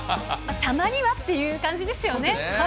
たまにはっていう感じですよね。